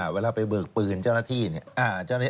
เวลาไปเบิกปืนเจ้าหน้าที่